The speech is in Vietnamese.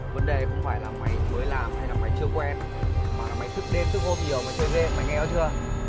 vấn đề không phải là mày mới làm hay là mày chưa quen mà là mày thức đen thức ôm nhiều mày chơi ghê mày nghe đó chưa